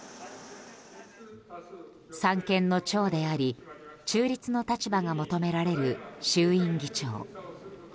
三権の長であり、中立の立場が求められる衆院議長。